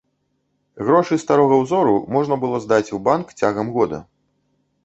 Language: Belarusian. Грошы старога ўзору можна было здаць у банк цягам года.